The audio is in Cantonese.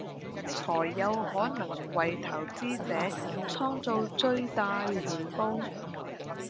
才有可能為投資者創造最大回報